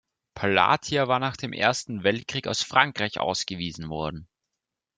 Palatia war nach dem Ersten Weltkrieg aus Frankreich ausgewiesenen worden.